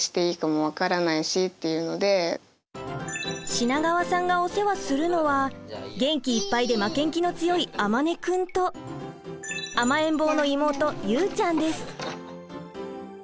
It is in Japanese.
品川さんがお世話するのは元気いっぱいで負けん気の強い周くんと甘えん坊の妹由宇ちゃんです。